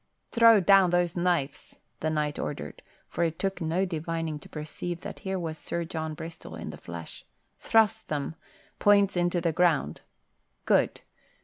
"Throw down those knives," the knight ordered, for it took no divining to perceive that here was Sir John Bristol in the flesh. "Thrust them, points into the ground. Good!